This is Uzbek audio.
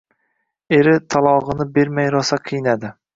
Eri talogʻini bermay rosa qiynadi.